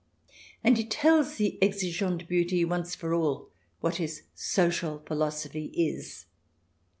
And he tells the exigeante beauty, once for all, what his social philosophy is.